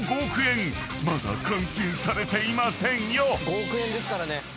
５億円ですからね。